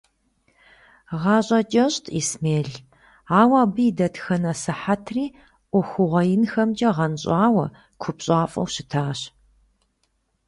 ГъащӀэ кӀэщӀт Исмел, ауэ абы и дэтхэнэ сыхьэтри Ӏуэхугъуэ инхэмкӀэ гъэнщӀауэ, купщӀафӀэу щытащ.